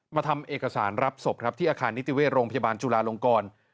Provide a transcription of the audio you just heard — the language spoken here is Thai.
ทำเอกสารรับศพครับที่อาคารนิติเวชโรงพยาบาลจุลาลงกร